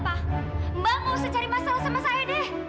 mbak mau cari masalah sama saya deh